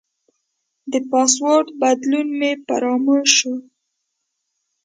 د پاسورډ بدلون مې فراموش شو.